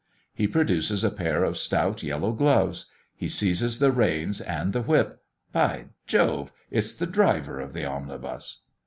He produces a pair of stout yellow gloves; he seizes the reins and the whip by Jove! it's the driver of the omnibus!